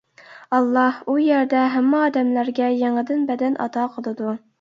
ئاللا ئۇ يەردە ھەممە ئادەملەرگە يېڭىدىن بەدەن ئاتا قىلىدۇ.